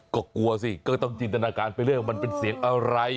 ก็กลัวสิก็ต้องจินตนาการไปเรื่อยว่ามันเป็นเสียงอะไร